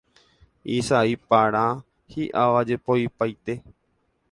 isái para, hi'áva jepoipaite